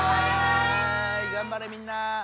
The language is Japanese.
がんばれみんな！